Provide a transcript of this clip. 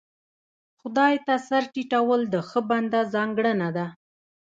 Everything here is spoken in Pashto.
خدای ته سر ټيټول د ښه بنده ځانګړنه ده.